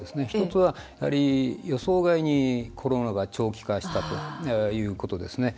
１つは、予想外にコロナが長期化したということですね。